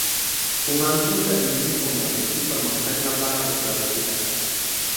پوهنتون د علمي او مسلکي پرمختګ لپاره ضروري دی.